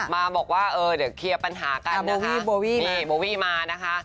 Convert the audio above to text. มาบอกว่าเออเดี๋ยวเคลียร์ปัญหากันนะคะนี่โบวี่มานะคะ